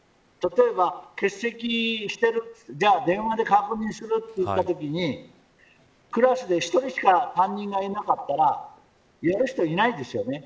欠席している、じゃあ電話で確認するといったときにクラスで１人しか担任がいなかったらやる人いないですよね。